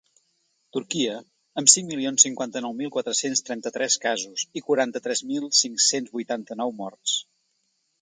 Turquia, amb cinc milions cinquanta-nou mil quatre-cents trenta-tres casos i quaranta-tres mil cinc-cents vuitanta-nou morts.